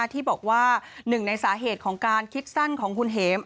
ที่บอกว่าหนึ่งในสาเหตุของการคิดสั้นของคุณเห็ม